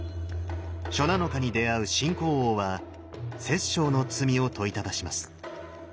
初七日に出会う秦広王は殺生の罪を問いただします。